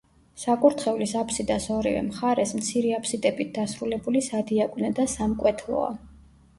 საკურთხევლის აფსიდას ორივე მხარეს მცირე აფსიდებით დასრულებული სადიაკვნე და სამკვეთლოა.